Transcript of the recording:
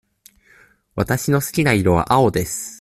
わたしの好きな色は青です。